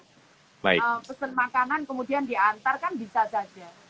pesan makanan kemudian diantar kan bisa saja